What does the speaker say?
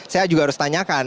saya juga harus tanyakan